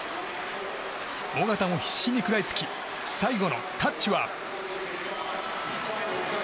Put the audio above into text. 小方も必死に食らいつき最後のタッチは。